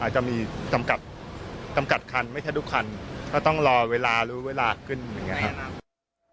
อาจจะมีตำกัดตำกัดคันไม่ใช่ทุกคันก็ต้องรอเวลาหรือเวลาขึ้นอย่างเงี้ยครับ